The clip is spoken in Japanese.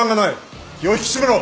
気を引き締めろ！